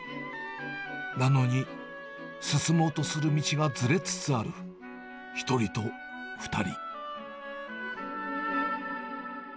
なのに、進もうとする道がずれつつある、１人と２人。